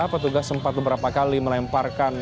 petugas sempat beberapa kali melemparkan